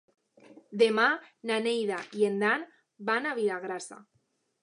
Demà na Neida i en Dan van a Vilagrassa.